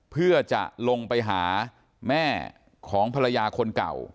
เพื่อจะลงไปหาแม่ของภรรยาคนเก่า